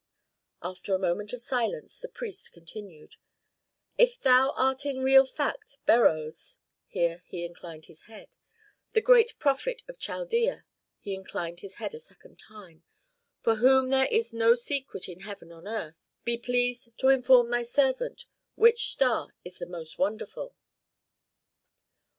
After a moment of silence the priest continued, "If thou art in real fact Beroes" (here he inclined his head), "the great prophet of Chaldea" (he inclined his head a second time), "for whom there is no secret in heaven or on earth, be pleased to inform thy servant which star is the most wonderful."